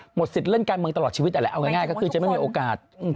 สิทธิ์เล่นการเมืองตลอดชีวิตนั่นแหละเอาง่ายก็คือจะไม่มีโอกาส